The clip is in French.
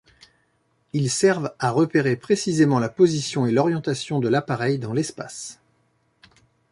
Ils servent à repérer précisément la position et l'orientation de l'appareil dans l'espace.